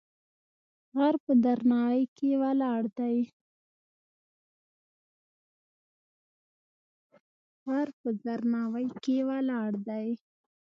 غر په درناوی کې ولاړ دی.